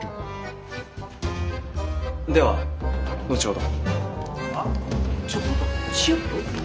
では後ほど。